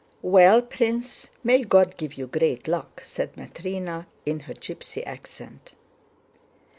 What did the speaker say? "Well, Prince, may God give you great luck!" said Matrëna in her gypsy accent.